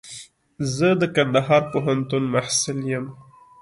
زه د کندهار پوهنتون محصل يم.